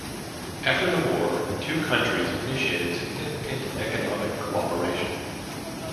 After the war two countries initiated significant economic cooperation.